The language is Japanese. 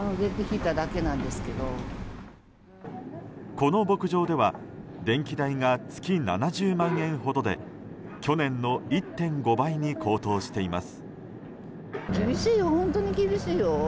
この牧場では電気代が月７０万円ほどで去年の１．５倍に高騰しています。